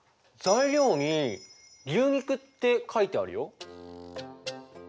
材料に「牛肉」って書いてあるよ。